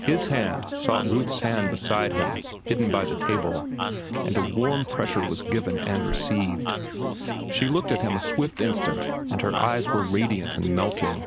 His hand sought Ruth's hand beside him hidden by the table, and a warm pressure was given and received. She looked at him a swift instant, and her eyes were radiant and melting.